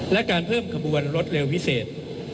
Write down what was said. และการเพิ่มขบวนรถเร็วพิเศษ